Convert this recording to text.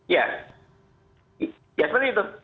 ya ya seperti itu